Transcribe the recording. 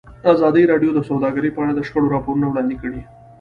ازادي راډیو د سوداګري په اړه د شخړو راپورونه وړاندې کړي.